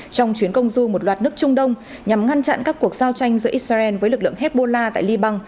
trong chuyến công du một loạt nước trung đông nhằm ngăn chặn các cuộc giao tranh giữa israel với lực lượng hezbollah tại liban